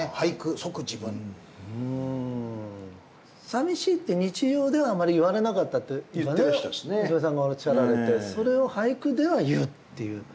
さみしいって日常ではあまり言われなかったって娘さんがおっしゃられてそれを俳句では言うっていう。